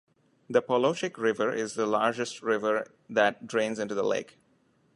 The Polochic River is the largest river that drains into the lake.